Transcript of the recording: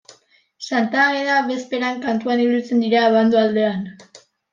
Santa Ageda bezperan kantuan ibiltzen dira Abando aldean.